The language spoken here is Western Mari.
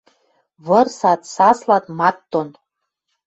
Вырсат, саслат мат дон.